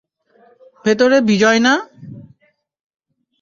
ভেতরে বিজয় না?